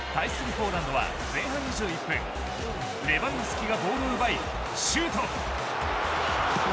ポーランドは前半２１分レヴァンドフスキがボールを奪いシュート。